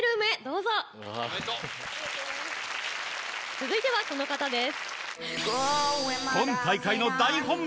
続いてはこの方です。